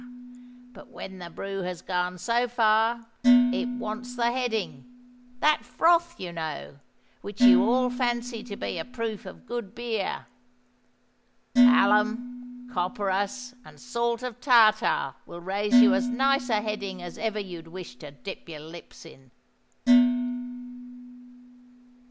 But when the brew has gone so far, it wants the heading—that froth, you know, which you all fancy to be a proof of good beer. Alum, copperas, and salt of tartar will raise you as nice a heading as ever you'd wish to dip your lips in."